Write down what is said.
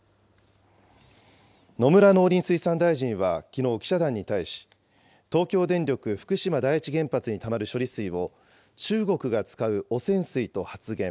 野村農林水産大臣はきのう、記者団に対し、東京電力福島第一原発にたまる処理水を、中国が使う汚染水と発言。